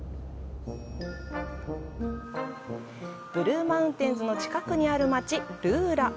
ブルーマウンテンズの近くにある街、ルーラ。